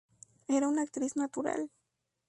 Era una actriz natural".